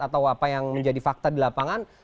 atau apa yang menjadi fakta di lapangan